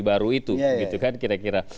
baru itu gitu kan kira kira